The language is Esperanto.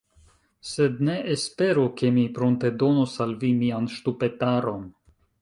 Sed ne esperu, ke mi pruntedonos al vi mian ŝtupetaron.